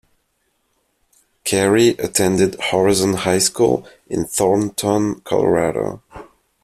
Carey attended Horizon High School in Thornton, Colorado.